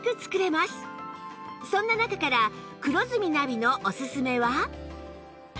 そんな中から黒住ナビのおすすめは